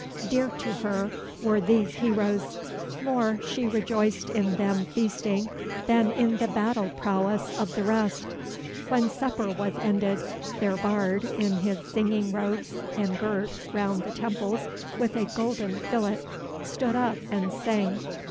Dear to her were these heroes. More she rejoiced in them feasting than in the battle prowess of the rest. When supper was ended, their bard, in his singing robes and girt around the temples with a golden fillet, stood up and sang.